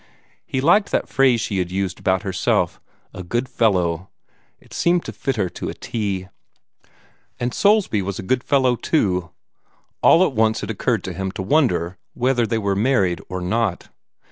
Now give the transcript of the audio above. He liked that phrase she had used about herself "a good fellow." It seemed to fit her to a "t." And Soulsby was a good fellow too. All at once it occurred to him to wonder whether they were married or not.